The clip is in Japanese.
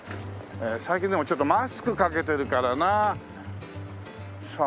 最近でもちょっとマスクかけてるからな。